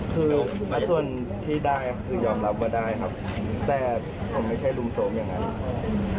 คือส่วนที่ได้คือยอมรับว่าได้ครับแต่ผมไม่ใช่รุมโทรมอย่างนั้น